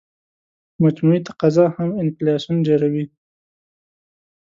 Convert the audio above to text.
مجموعي تقاضا هم انفلاسیون ډېروي.